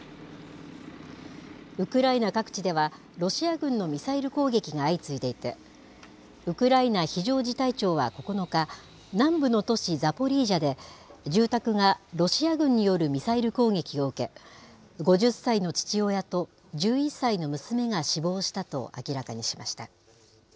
ウクライナ各地では、ロシア軍のミサイル攻撃が相次いでいて、ウクライナ非常事態庁は９日、南部の都市ザポリージャで、住宅がロシア軍によるミサイル攻撃を受け、５０歳の父親と１１歳の娘が死亡したと明らかにしました。